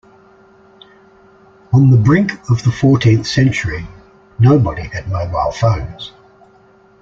On the brink of the fourteenth century, nobody had mobile phones.